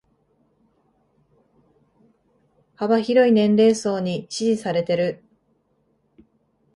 幅広い年齢層に支持されてる